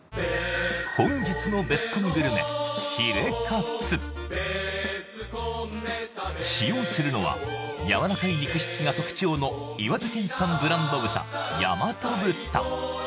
本日のベスコングルメ使用するのはやわらかい肉質が特徴の岩手県産ブランド豚やまと豚